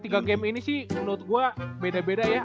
tiga game ini sih menurut gue beda beda ya